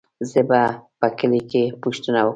زه به په کلي کې پوښتنه وکم.